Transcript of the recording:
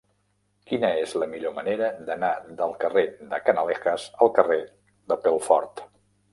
Quina és la millor manera d'anar del carrer de Canalejas al carrer de Pelfort?